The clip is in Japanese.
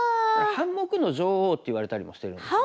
「半目の女王」って言われたりもしてるんですね。